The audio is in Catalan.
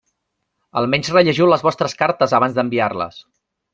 Almenys rellegiu les vostres cartes abans d'enviar-les.